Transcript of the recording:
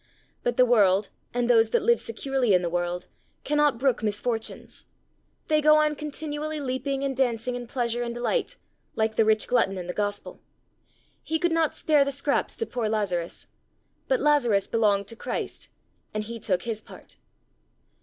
But the world, and those that live securely in the world, cannot brook misfortunes; they go on continually leaping and dancing in pleasure and delight, like the rich Glutton in the Gospel. He could not spare the scraps to poor Lazarus, but Lazarus belonged to Christ, and he took his part.